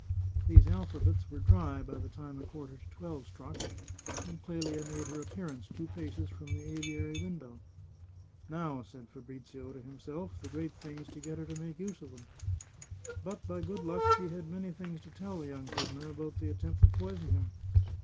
These alphabets were dry by the time a quarter to twelve struck, and Clelia made her appearance two paces from the aviary window. " Now," 353 The Chartreuse of Parma said Fabrizio to himself, " the g^eat thing is to get her to make use of them." But by good luck, she had many things to tell the young prisoner about the attempt to poison him.